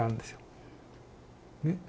ねっ。